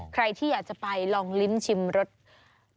ใครที่อยากจะไปลองลิ้มชิมรส